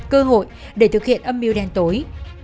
cơ hội để thực hiện âm mưu đen tối